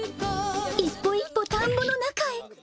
一歩一歩田んぼの中へ。